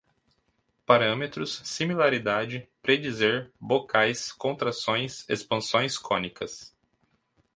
parâmetros, similaridade, predizer, bocais, contrações, expansões cônicas